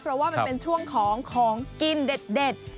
เพราะว่ามันเป็นช่วงของของกินเด็ด